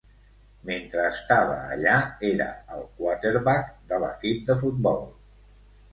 Mentre estava allà, era el quarterback de l'equip de futbol.